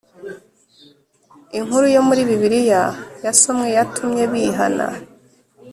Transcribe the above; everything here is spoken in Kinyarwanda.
inkuru yo muri bibiliya yasomwe yatumye bihana